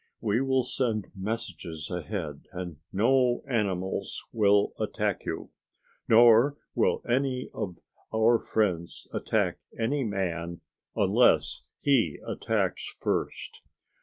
We will send messages ahead and no animals will attack you. Nor will any of our friends attack any man unless he attacks first.